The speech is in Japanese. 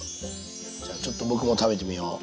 じゃあちょっと僕も食べてみよう。